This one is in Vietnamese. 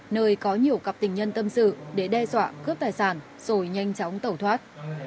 nơi có nhiều cặp tình nhân tâm sự để đe dọa cướp tài sản rồi nhanh chóng tẩu thoát